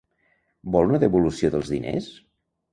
Vol una devolució dels diners?